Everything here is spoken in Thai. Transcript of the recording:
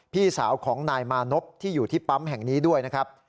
พี่สาวของนายมานพที่อยู่ที่ปั๊มแห่งนี้ด้วยนะครับ